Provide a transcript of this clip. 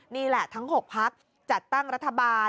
นี่แหละทั้ง๖พักจัดตั้งรัฐบาล